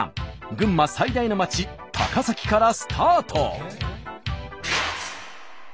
群馬最大の街高崎からスタート！